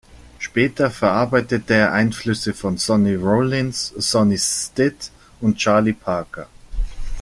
Später verarbeitete er Einflüsse von Sonny Rollins, Sonny Stitt und Charlie Parker.